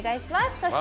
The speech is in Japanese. そして。